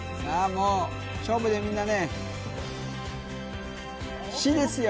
もう勝負でみんなね市ですよ